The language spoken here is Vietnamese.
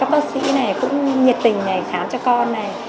các bác sĩ này cũng nhiệt tình khám cho con này